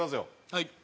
はい。